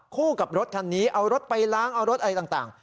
คู่กับรถคันนี้เอารถไปล้างเอารถอะไรต่าง